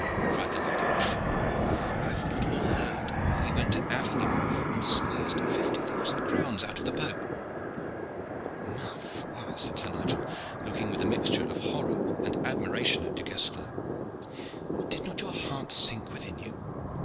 cried the Lady Rochefort. "Have we not all heard how he went to Avignon and squeezed fifty thousand crowns out of the Pope." "Ma foi!" said Sir Nigel, looking with a mixture of horror and admiration at Du Guesclin. "Did not your heart sink within you?